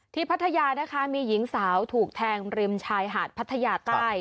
พัทยานะคะมีหญิงสาวถูกแทงริมชายหาดพัทยาใต้